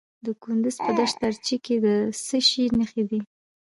د کندز په دشت ارچي کې د څه شي نښې دي؟